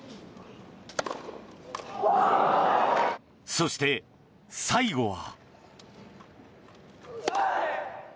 そして、最後は。